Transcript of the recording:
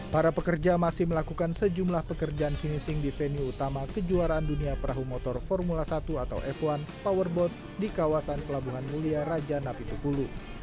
para pekerja masih melakukan sejumlah pekerjaan finishing di venue utama kejuaraan dunia perahu motor formula satu atau f satu powerboat di kawasan pelabuhan mulia raja napi pepulu